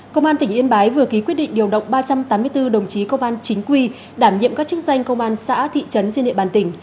công an tỉnh yên bái vừa ký quyết định điều động ba trăm tám mươi bốn đồng chí công an chính quy đảm nhiệm các chức danh công an xã thị trấn trên địa bàn tỉnh